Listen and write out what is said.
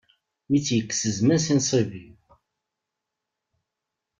Mi tt-yekkes zzman si nṣib-iw.